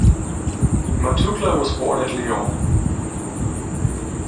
Montucla was born at Lyon.